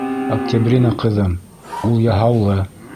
Октябрина ҡыҙым, ул яһаулы.